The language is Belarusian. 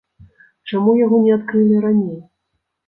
Чаму яго не адкрылі раней?